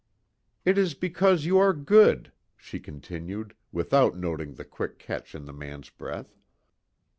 "It is because you are good." She continued, without noting the quick catch in the man's breath.